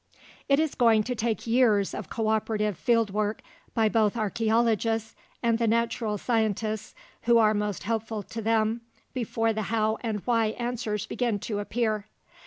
It is going to take years of co operative field work by both archeologists and the natural scientists who are most helpful to them before the how and why answers begin to appear.